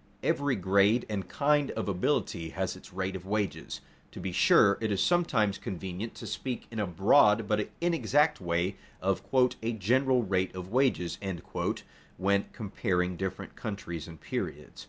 _ Every grade and kind of ability has its rate of wages. To be sure, it is sometimes convenient to speak in a broad but inexact way of "a general rate of wages," when comparing different countries and periods.